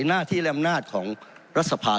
หน้าที่และอำนาจของรัฐสภา